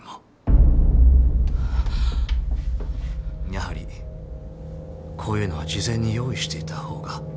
やはりこういうのは事前に用意していた方が。